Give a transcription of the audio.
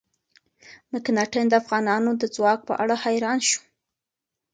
مکناتن د افغانانو د ځواک په اړه حیران شو.